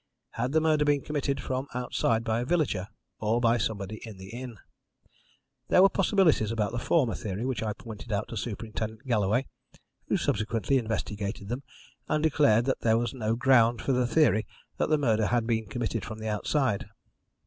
Had the murder been committed from outside by a villager, or by somebody in the inn? There were possibilities about the former theory which I pointed out to Superintendent Galloway, who subsequently investigated them, and declared that there was no ground for the theory that the murder had been committed from outside.